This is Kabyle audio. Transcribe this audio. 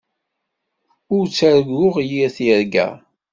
Ur ttarguɣ yir tirga.